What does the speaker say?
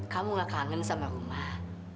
kamu gak kangen sama rumah